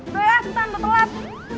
tuh ya tanda telat